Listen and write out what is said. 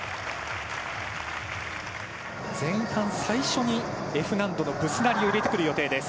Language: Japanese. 前半最初にＦ難度のブスナリを入れてくる予定です。